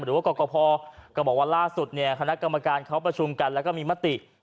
กรกภก็บอกว่าล่าสุดเนี่ยคณะกรรมการเขาประชุมกันแล้วก็มีมติ